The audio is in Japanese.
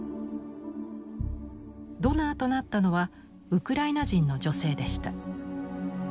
ドナーとなったのはウクライナ人の女性でした。